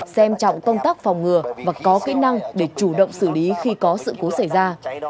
xem trọng công tác phòng ngừa và có kỹ năng để chủ động xử lý khi có sự cố xảy ra